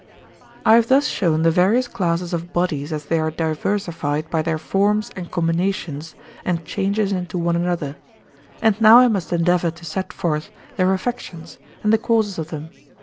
I have thus shown the various classes of bodies as they are diversified by their forms and combinations and changes into one another, and now I must endeavour to set forth their affections and the causes of them.